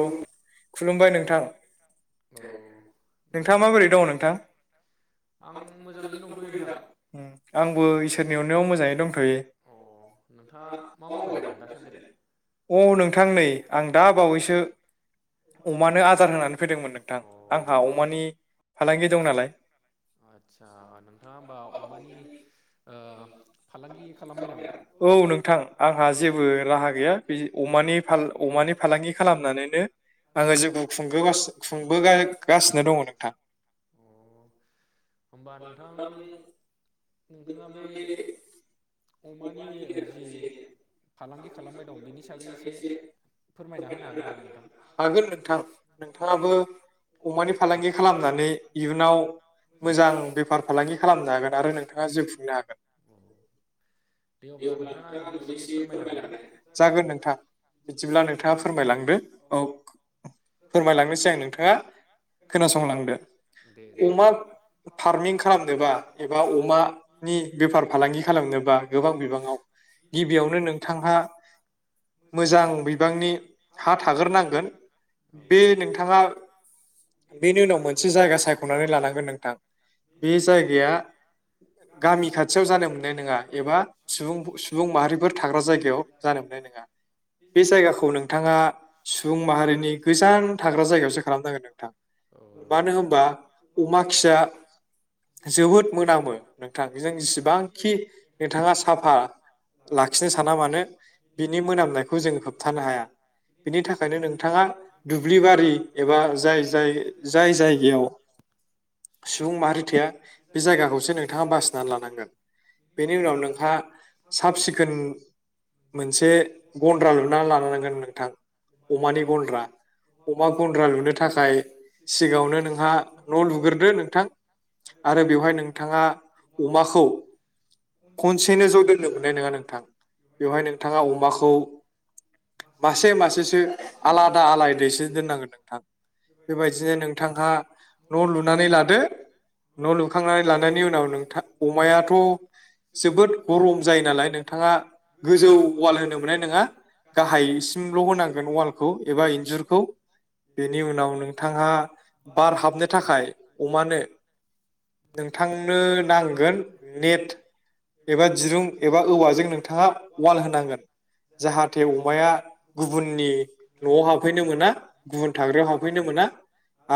औ नोंथां। अ। नोंथाङा नोंथांआ बोरै माबोरै दङ दं नोंथां? आं मोजाङैनो दंथ'यो नोंथां। उम आंबो इसोरनि अननायाव मोजाङै दंथ'यो अ। नोंथाङा मा मावबाय दं दासान्दिलाय? अ नोंथां नै आं दा बावैसो अमानो आदार होनानै फैदोंमोन नोंथां। अ आंहा अमानि फालांगि दं नालाय। आदसा नोंथाङा होमबा अमानि ओ फालांगि खालामबाय नामा? औ नोंथां। आंहा जेबो राहा गैया बे अमानि फाल अमानि फालांगि खालामनानैनो आङो जिउखौ खुंबोगासि-खुंबोगासिनो दङ नोंथां। अ। होनबा नोंथां नोंथाङा बे अमानि जि फालांगि खालामबाय दं बिनि सागै एसे, फोरमायना हो नोहागोन नामा नोंथां? हागोन नोंथां, नोंथांआबो अमानि फालांगि खालामनानै इयुनाव मोजां बेफार फालांगि खालामनो हागोन। आरो नोंथाङा जिउ खुंनो हागोन। उम। दे अब्ला नोंथाङा आंनोबो एसे फोरमायलांनाय, जागोन बिदिब्ला नोंथां नोंथाङा जागोन फोरमायलांदो औ। फोरमायलांनोसै आं नोंथाङा अमा खोनासंलांदो फार्मिं खालामनोबा दे एबा जालांगोन। होनोबा गोबां बिबाङाव। गिबियावनो नोंथांहा मोजां बिबांनि हाज हा थागोर थाग्रोनांगोन नांगोन। बे नोंथाङा बेनि उनाव मोनसे जायगा सायख'नानै लानांगोन नोंथां। बे जायगाया गामि खाथियाव जानो मोन मोननाय नोङा एबा सुबुं सुबुं माहारिफोर थाग्रा जायगायाव जानो मोननाय नोङा। बिसोर जायगाखौ नोंथाङा सुबुं माहारिनि गोजान थाग्रा जायगायावसो खालामनांगोन नोंथां। औ मानो होनबा अमा नोंथां। खिया जोबोद मोनामो नोंथां जों जिसिबां [unintelligible] लाखिनो साना मानो बिनि मोनामनायखौ जों होबथानो हाया। बिनि थाखायनो नोंथाङा दुब्लिबारि एबा जाय जाय जाय जायगायाव सुबुं माहारि थाया बे जायगाखौसो नोंथाङा बासिनानै लानांगोन। बेनि उनाव नोंहा साब सिखोन मोनसे गन्द्रा लुना लानांगोन नोंथां अमानि गन्द्रा। अमा गन्द्रा लुनो थाखाय सिगाङावनो नोंहा न' लुग्रोदो नोंथां। आरो बेवहाय नोंथाङा अमाखौ खनसेयैनो ज' दोननो मोननाय नङा नोंथां बेवहाय नोंथाङा अमाखौ मासे मासेसो आलादा आलादायैसो दोननांगोन नोंथां। बेबायदिनो नोंथांहा न' लुनानै लादो न' लुखांनानै लानायनि उनाव नोंथां अमायाथ' जोबोद गरम जायो नालाय नोंथाङा गोजौ वाल होनोमोननाय नङा गाहाय सिंल' होनांगोन वालखौ एबा इन्जुरखौ बेनि उनाव नोंथाङा बार हाबनो थाखाय अमानो नोंथांनो नांगोन नेट। एबा दिरुं एबा औवाजों नोंथाङा वाल होनांगोन जाहाथे अमाया गुबुननि न'आव हाबहैनो मोना गुबुन थाग्रायाव हाबहैनो मोना।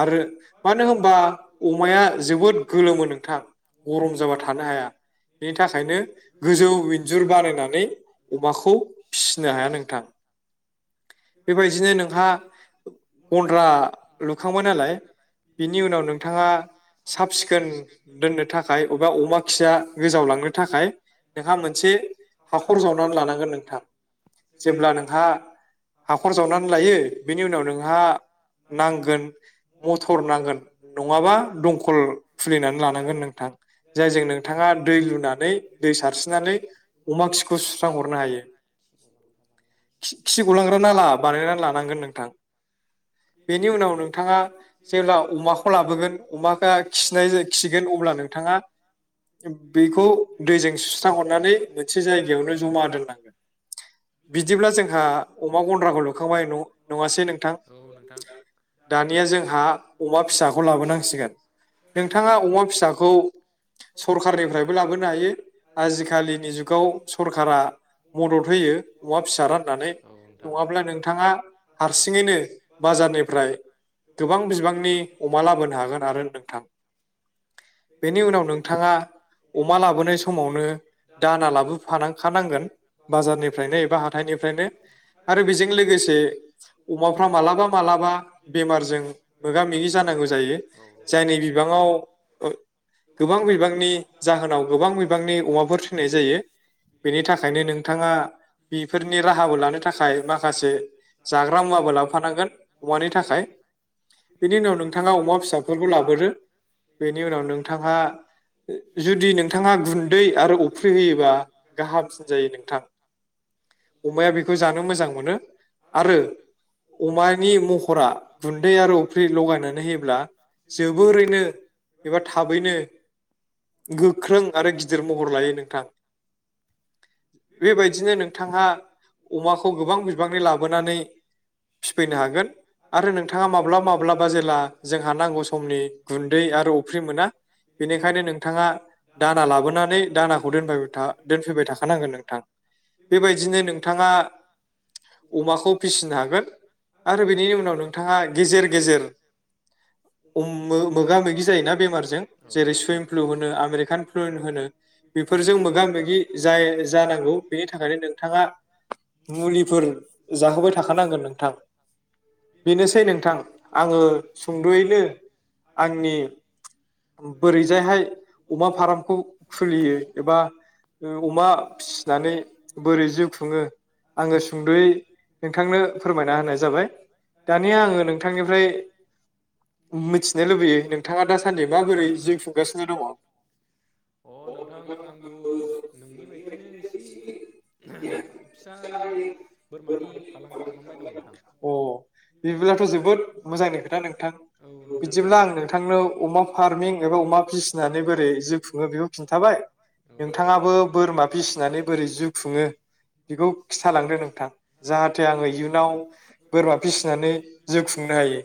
आरो मानो होनबा अमाया जोबोद गोलोमो नोंथां। गरम जाबा थानो हाया। बिनि थाखायनो गोजौ इन्जुर बानायनानै अमाखौ फिसिनो हाया नोंथां। बेबायदिनो नोंहा गन्द्रा लुखांबाय नालाय बिनि उनाव नोंथाङा साब सिखोन [inaudible] दोननो थाखाय एबा अमा खिया गोजावलांनो थाखाय नोंहा मोनसे हाखर जावनानै लानांगोन नोंथां। जेब्ला नोंथाङा हाखर जावनानै लायो बेनि उनाव नोंहा नांगोन मथर नांगोन नङाबा दंखल खुलिनानै लानांगोन नोंथां। जायजों नोंथाङा [inaudible] दै लुनानै दै सारस्रिनानै अमा खिखौ सुस्रां [inaudible] खि खि बानायनांसिगोन गलांग्रा नाला बानायनानै लानांगोन नोंथां। बेनि उनाव नोंथाङा जेब्ला अमाखौ लाबोगोन अमाखौ खिनाय खिगोन अब्ला नों थाङा बेखौ दैजों सुस्रा हरनानै मोनसे जायगायावनो जमा दोननांगोन। बिदिब्ला [inaudible] जोंहा अमा गन्द्राखौ लुखांबाय न नङासै नोंथां? दानिया जोंहा अमा फिसाखौ लाबोनांसिगोन। नोंथाङा अमा फिसाखौ सरखारनिफ्रायबो लाबोनो हायो आजिखालिनि जुगाव सरखारा मदद होयो अमा फिसा राननानै औ नोंथां नङाब्ला नोंथाङा हारसिङैनो बाजारनिफ्राय गोबां बिबांनि अमा लाबोनो हागोन आरो नोंथां बेनि उनाव नोंथां अमा ङा लाबोनाय समावनो अमा लाबोनाय दाना समावनो दानालाबो लाबोफानांखानांगोन फाखानांगोन बाजारनिफ्राय बाजारनिफ्रायनो एबा हाथाइनिफ्रायनो हाथाइ निफ्रायनो बेजों आरो लोगोसे बेजों लोगोसे अमाफ्रा मालाबा मालाबा बेमारजों मोगा मोगि जानांगौ जायो जायनि औ बिबाङाव नोंथां जायनि बिबांआव गोबां बिबांनि जाहोनाव गोबां बिबांनि अमाफोर फिनाय जायो। बेनि थाखायनो नोंथाङा बेफोरनि राहा लानो थाखाय माखासे जाग्रा मुवाबो लाबोफानांगोन अमानि थाखाय बिनि उनाव नोंथाङा अमा फिसाखौ लाबोदो बेनि उनाव नोंथां हा ओ जुदि नोंथाङा गुन्दै आरो अफ्रि होयोबा गाहामसिन जायो नोंथां अमाया बेखौ जानो मोजां मोनो। आरो अमानि महरा गुन्दै आरो अफ्रि लगायनायखौ होयोब्ला जोबोरैनो एबा थाबैनो गोख्रों आरो गिदिर महर लायो नोंथां बेबायदिनो नों थाङा अमाखौ गोबां बिबांनि लाबोनानै फैनो हागोन आरो नोंथाङा माब्लाबा माब्लाबा जोंहा जोंहा [unintelligible] खमनि गुन्दै आरो उफ्रिमोना बेनिखायनो नोंथाङा दाना लाबोनानै दानाखौ दोनफैबाय था दोनफैबाय थाखानांगोन नोंथां। बे बायदिनो बेबायदिनो नोंथाङा [unintelligible] अमाखौ फिसिनो हागोन। आरो बेनि उनाव नोंथाङा गेजेर गेजेर उम मो-मोगा-मोगि जायोना बेमारजों औ जेरै नोंथां सुइन फ्लु होनो आमेरिकान फ्लु होनो। बेफोरजों मोगा मोगि जाय जानांगौ बेनि [unintelligible] थाखायनो बिथाङा नोंथाङा मुलिफोर जाहोबाय थाखानांगोन [unintelligible] बेनोसै नोंथां आङो सुंद'यैनो आंनि बोरैजायहाय अमा फार्मखौ खुलियो एबा ओ अमा फिसिनानै बोरै जिउ खुङो आङो सुंद'यै नोंथांनो फोरमायना होनाय जाबाय। दानिया आङो नोंथांनिफ्राय मिथिनो लुबैयो। नोंथाङा दासान्दि [unintelligible] गासिनो दङ। अ नोंथां आंबो नोंनि बायदिनो एसे [unintelligible] फिसायै बोरमानि फालांगि खालामबाय दं नोंथां बिदिब्लाथ' जोबोद मोजांनि खोथा नोंथां। औ नोंथां औ बिदिब्ला आं नोंथांनो अमा फार्मिं एबा अमा फिसिनानै बोरै जि खुङो बेखौ खिन्थाबाय नोंथां नोंथाङाबो बोरमा फिसिनानै बोरै जिउ खुङो बेखौ खिन्थालांदो नोंथां। जाहाथे आङो इयुनाव बोरमा फिसिनानै जिउ खुंना हायो।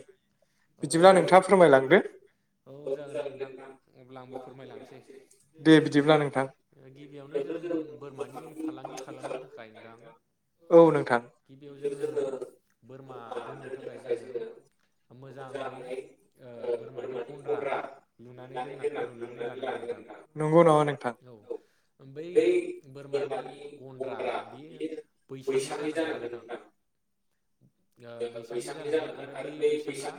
बिदिब्ला नोंथाङा फोरमायलांदो। औ जागोन दे नोंथां अब्ला आंबो फोरमायलांसै दे बिदिब्ला नोंथां गिबियावनो जों बोरमानि फालांगि खालामनो थाखाय दां औ नोंथां गिबियाव जोङो बोरमा दोननो थाखाय जोङो मोजाङै ओ बोरमानि गन्द्रा लुनानै दोननां लुनानै लानांगोन नोंथां नंगौ नामा नोंथां औ। बै बोरमानि गन्द्रा बेयो बैसांनि जानांगोन नोंथां। ओ बैसांनि जानांगोन आरो बै बैसां आ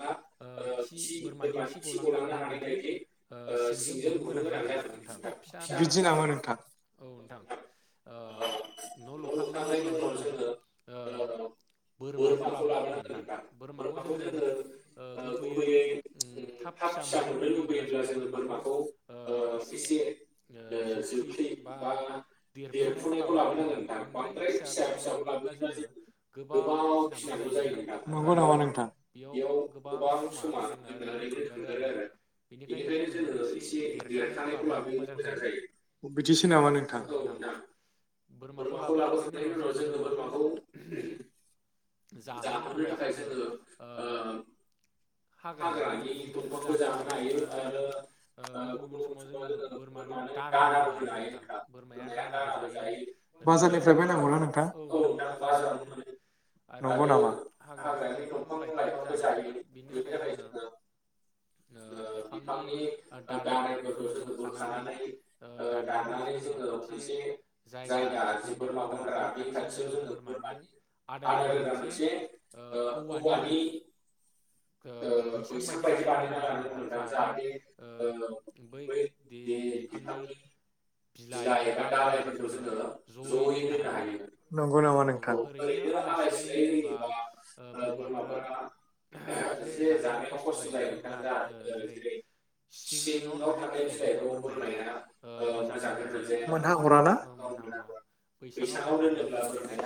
ओ खि बोरमानि खि गलांनो हानाय बायदि ओ सिंजों गुदुं गोनां जानांगोन नोंथां फिसा फिसा बिदि नामा नोंथां औ नोंथां। ओ न' लुखांनायनि उनाव जोङो ओ बोरमाखौ लाबोनांगोन नोंथां। बोरमाखौ जोङो ओ गुबैयै उम थाब फिसा मोननो लुबैयोब्ला जोङो बोरमाखौ ओ एसे ओ जोख्लि बा देरफु नायखौ लाबोनांगोन नोंथां। बांद्राय फिसा फिसाखौ लाबोयोब्ला जोङो गोबाव फिसिनांगौ जायो नोंथां। आरो नंगौ नामा नोंथां? बेयाव गोबां समा जोंना ओरैनो थांगारो आरो। बेनिखायनो जोङो एसे देरखानायखौ लाबोयोबा मोजां जायो। बिदिसो नामा औ नोंथां। बोरमाखौ लाबोखांनायनि उनाव जोङो बोरमाखौ जाहोनो थाखाय जोङो ओ हाग्रानि दंफांबो जाहोनो हायो आरो ओ गुबुन गुबुन समाव जोङो बोरमानो दानाबो होनो हायो नोंथां बोरमाया दानाबो जायो। ओरैनो बाजारनिफ्राय बायनांगौना औ नोंथां बाजारावनो मोनो। आरो नंगौ नामा हाग्रानि दंफां लाइफांबो जायो। बिनि थाखाय जोङो ओ बिफांनि दानायफोरखौ जोङो बोखानानै ओ दाननानै जोङो मोनसे [unintelligible] जायगा जि बोरमा गन्द्रा बे खाथियाव जोङो बोरमानि आदार होग्रा मोनसे ओ औवानि ओ बैसां बायदि बानायना लानांगौ नोंथां जाहाथे ओ बै दि बिफांनि बिलाइ बा दालायफोरखौ जोङो जयै दोननो हायो, नंगौ नामा औ नोंथां ओरैनो आलाय सिलाय होयोबा ओ बोरमाफोरा एसे जानायाव खस्थ' जायो नोंथां जाहाथे ओ जेरै सिङाव थानाय बिलाइखौ बोरमाया ओ मोजाङै मोनजाया मोनहा हराना औ मोनाहा हरा, बैसाङाव दोनोब्ला बोरमाया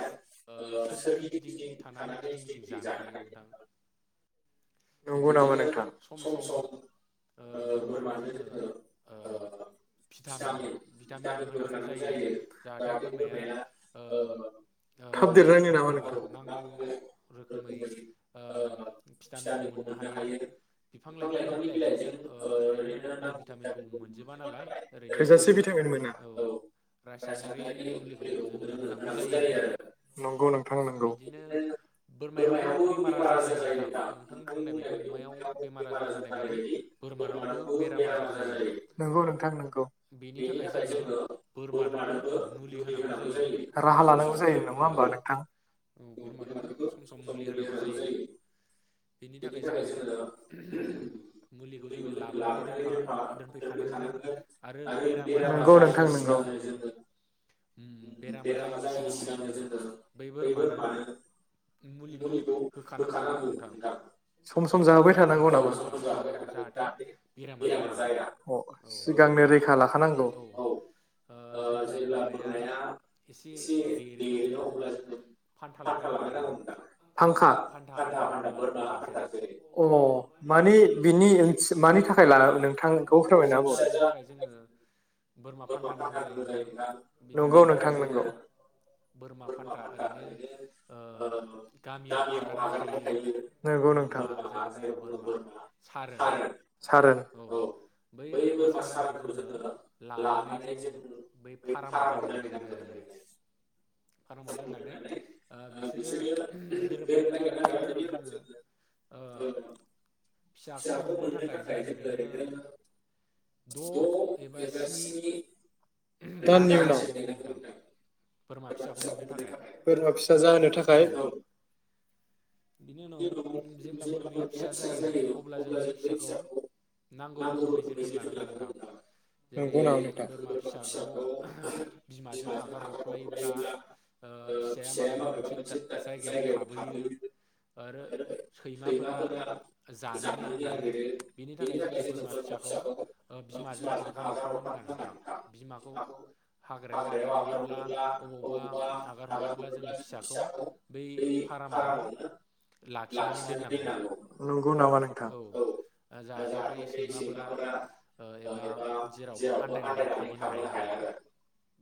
ओ सोरगिदिं गिदिं थानानै गिदिं गिदिं जानो हायो नोंथां। नंगौ बिदिनो नामा नोंथां? सम सम ओ बोरमानो जोङो ओ भिटामिन भिटामिनबो होनांगौ जायो जाहाथे बोरमाया ओ ओ थाब देरनायनि नामा औ नोंथां नांगौ रोखोमै ओ भिटामिनखौ मोननो हायो। बिफां लाइफांनि बिलाइजों ओ ओरैनो नांगौ भिटामिनखौ मोनजोबा नालाय। ओरैनो थोजासे जोङो भिटामिन मोना औ रासायनारि मुलिखौ जोङो होनांगौ जायो आरो। नंगौ नोंथां नंगौ। इदिनो बोरमायावबो बेमार आजार जायो नोंथां नोंथां बुंनाय बायदि अमायाव [inaudible] बेमार आजार जानाय बायदि बोरमानावबो बेराम आजार जायो नंगौ नोंथां नोंगौ। बेनि थाखाय जोङो बोरमानोबो मुलि होनांगौ जायो राहा सम सम लानांगौ जायो नङा औ। होमबा नोंथां औ बोरमानोबो सम सम मुलि होनांगौ जायो बेनि थाखाय जोङो [inaudible] मुलिखौ जोङो लाबोनानै दोनफा दोनफैखानांगोन आरो बेरामा नंगौ जायैनि नोंथां नंगौ सिगांनो जोङो उम बेरामा जायैनि सिगांनो जोङो बै बोरमानो मुलिखौ होखानांगौ नोंथां सम सम जाहोबाय औ थानांगौ सम नामा सम जाहोबाय थानांगौ जाहाथे बेरामा जाया अ औ नोंथां सिगांनो औ आ जेब्ला बोरमाया एसे देरो अब्ला जोङो फान्था लागायनांगौ नोंथां [inaudible] आंखा फान्था फान्था बोरमा फान्था जेरै अ मानि बिनि ओंथि मानि थाखाय औ नोंथांखौ फिसा जाहोनो फोरमायनाहोबावदो [inaudible] थाखाय जोङो बोरमा फानथा नांगौ जायो नोंथां बिनि नंगौ थाखाय नोंथां जोङो नंगौ बोरमा फान्था ओरैनो ओ गामियाव आगारनाय थायो। नंगौ बोरमा नोंथां जायखौ बुङो बोरमा सारोन सारोन औ बै बोरमा सारानखौ जोङो लानानै जों बै फार्माव दोनहैनांगोन ओरैनो फार्माव दोननानै ओ बिसोरो गोरोबलायगोन आरो बिनि उनाव जोङो फिसाखौ मोननो थाखाय जोङो ओरैनो द' एबा स्नि [inaudible] दाननि दानसे उनाव नेनांगौ नोंथां बोरमा फिसाखौ मोननो थाखाय बोरमा फिसा जाहोनो औ थाखाय बिनि उनाव जेब्ला बोरमाया फिसा जायो अब्ला जों बै फिसाखौ नांगौ रोखोमै जोथोन लानांगौ नोंथां जेरै नंगौ नामा नोंथां बोरमा फिसाखौ बिमाजों आगार हरफा ब्ला फिसाया माबेबा मोनसे जायगायाव थाबोयो। आरो सैमाफोरा जानोनो नागिरो बिनि थाखाय जोङो बोरमा फिसाखौ बिमाजों आगार हर फानो नाङा नोंथां बिमाखौ हाग्रायाव आगार हरोबा ब्ला अबावबा आगार हरोब्ला जोङो फिसाखौ जोङो बै फारमावनो लाखिनानै दोननांगौ नंगौ नामा नोंथां औ। जाहाथे बै सैमाफोरा एबा जेरावबो आन्दायनानै थाबोनो हाया आरो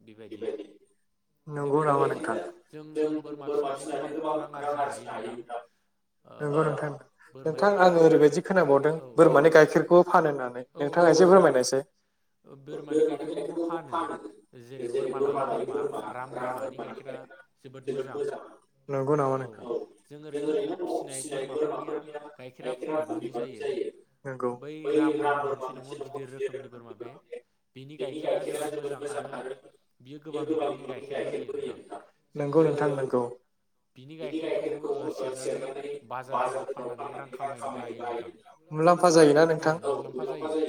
बेबायदि नंगौ नामा बेबायदिनो नोंथां जों बोरमा फिसिनानै गोबां रां आरजिनो हायो नोंथां। ओ नंगौ नोंथां। नोंथां आङो ओरैबायदि खोनाबावदों बोरमानि गाइखेरखौ फानो होननानै औ नोंथाङा नोंथां एसे फोरमायनायसाय? बोरमानि गाइखेरखौबो फानो जेरै बोरमा लायै बोरमा राम बोरमानि गाइखेरा जोबोद मोजां। नोंगौ नामा औ नोंथां। जों ओरैनो न'आव फिसिनाय बोरमाफोरनिया गाइखेरा खम बिबांनि जायो। नंगौ बै राम बोरमा मोनसे दङ गिदिर रोखोमनि बोरमा बे। बिनि गाइखेरा जोबोद मोजांआरो बियो गोबां बिबांनि गाइखेरबो होयो नोंथां नंगौ जोङो नोंथां नंगौ बिनि गाइखेरखौ ओ सेरनानै बाजारफोराव फाननानै रां खामायनोबो हायो नोंथां। मुलाम्फा जायोना औ नोंथां मुलाम्फा जायो।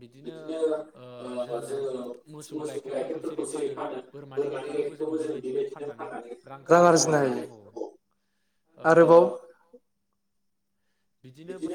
बिदिनो ओ जोङो मोसौ गाइखेरफोरखौ जेरै फानो बोरमानि गाइखेरखौबो जों बेबायदिनो फाननानै रां खामायनो हायो औ। ओ आरोबाव बिदिनो